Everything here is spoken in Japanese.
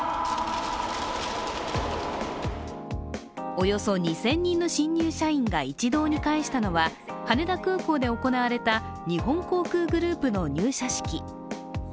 およそ２０００人の新入社員が一堂に会したのは羽田空港で行われた日本航空グループの入社式。